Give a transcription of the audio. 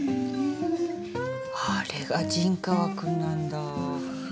あれが陣川君なんだ。